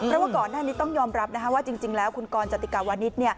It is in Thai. เพราะว่าก่อนหน้านี้ต้องยอมรับว่าจริงแล้วคุณกรจติกาวนิษฐ์